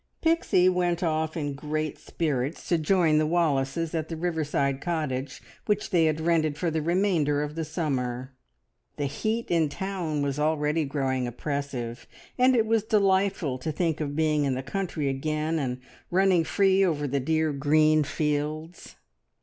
Pixie went off in great spirits to join the Wallaces at the riverside cottage which they had rented for the remainder of the summer. The heat in town was already growing oppressive, and it was delightful to think of being in the country again and running free over the dear green fields.